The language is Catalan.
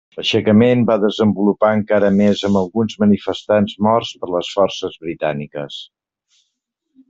L'aixecament va desenvolupar encara més amb alguns manifestants morts per les forces britàniques.